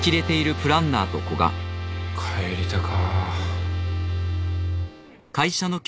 帰りたか。